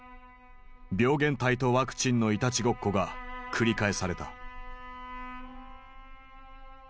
病原体とワクチンのいたちごっこが繰り返された。